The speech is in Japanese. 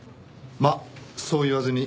まあそう言わずに。